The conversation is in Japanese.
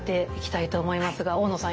大野さん